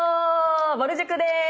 ぼる塾でーす。